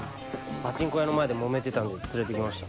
パチンコ屋の前でもめてたんで連れて来ました。